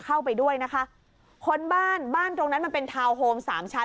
เข้าไปด้วยนะคะค้นบ้านบ้านตรงนั้นมันเป็นทาวน์โฮมสามชั้น